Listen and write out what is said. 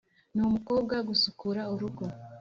nu mukobwa gusukura urugo,